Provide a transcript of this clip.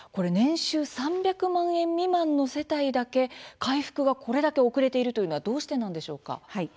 年収３００万円未満の世帯だけ回復がこれだけ遅れているというのはどうしてなんでしょうか。